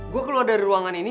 gue keluar dari ruangan ini